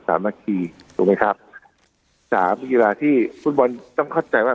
สามัคคีถูกไหมครับสามกีฬาที่ฟุตบอลต้องเข้าใจว่า